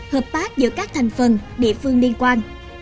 hợp tác giữa các thành phần địa phương liên quan